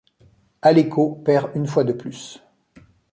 Aleko perd une fois de plus.